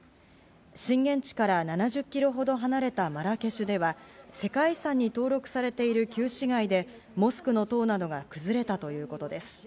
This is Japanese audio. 震源地から７０キロほど離れたマラケシュでは、世界遺産に登録されている旧市街でモスクの島などが崩れたということです。